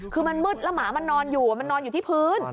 คือมันมืดแล้วหมามันนอนอยู่มันนอนอยู่ที่พื้น